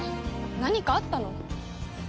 何かあったの？